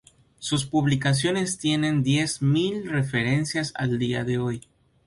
Sus publicaciones tienen diez mil referencias a día de hoy.